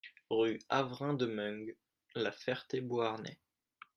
Rue Avrain de Meung, La Ferté-Beauharnais